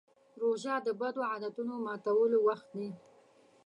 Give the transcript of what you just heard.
روژه د بدو عادتونو ماتولو وخت دی.